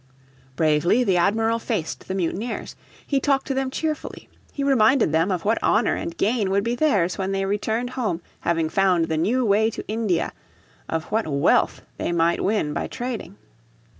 Bravely the Admiral faced the mutineers. He talked to them cheerfully. He reminded them of what honour and gain would be theirs when they returned home having found the new way to India, of what wealth they might win by trading.